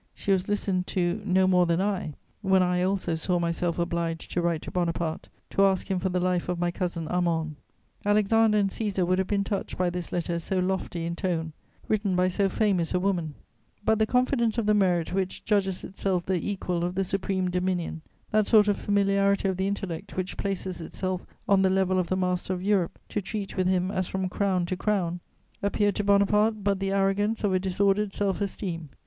She was listened to no more than I, when I also saw myself obliged to write to Bonaparte to ask him for the life of my cousin Armand. Alexander and Cæsar would have been touched by this letter so lofty in tone, written by so famous a woman; but the confidence of the merit which judges itself the equal of the supreme dominion, that sort of familiarity of the intellect which places itself on the level of the master of Europe to treat with him as from crown to crown appeared to Bonaparte but the arrogance of a disordered self esteem.